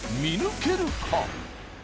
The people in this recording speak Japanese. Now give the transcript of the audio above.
見抜けるか？